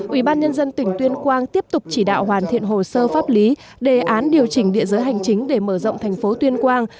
ủy ban nhân dân tỉnh tuyên quang tiếp tục chỉ đạo hoàn thiện hồ sơ pháp lý đề án điều chỉnh địa giới hành chính để mở rộng thành phố tuyên quang